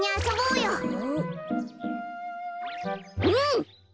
うん！